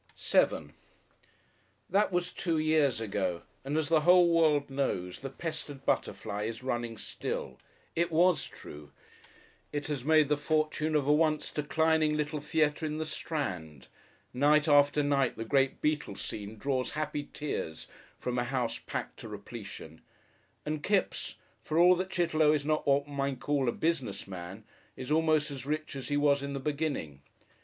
§7 That was two years ago, and as the whole world knows, the "Pestered Butterfly" is running still. It was true. It has made the fortune of a once declining little theatre in the Strand, night after night the great beetle scene draws happy tears from a house packed to repletion, and Kipps for all that Chitterlow is not what one might call a business man is almost as rich as he was in the beginning.